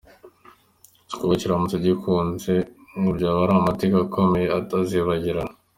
Iki gikorwa kiramutse gikunze ngo byaba ari amateka akomeye atazibagirana.